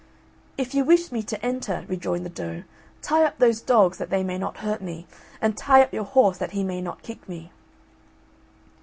"If you wish me to enter," rejoined the doe, "tie up those dogs, that they may not hurt me, and tie up your horse that he may not kick me."